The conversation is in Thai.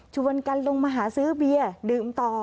กันลงมาหาซื้อเบียร์ดื่มต่อ